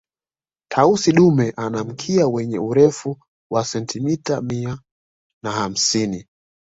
Tausi dume ana mkia wenye Urefu wa sentimita mia na hamsini